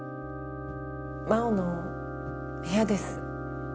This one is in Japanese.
真央の部屋です。